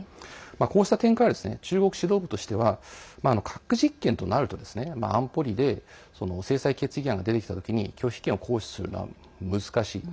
こうした点から中国指導部としては核実験となると安保理で制裁決議案が出てきたときに拒否権を行使するのは難しい。